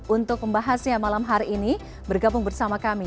untuk membahasnya malam hari ini bergabung bersama kami